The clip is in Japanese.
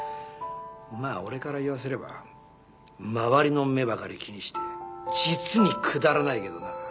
まあ俺から言わせれば周りの目ばかり気にして実にくだらないけどな。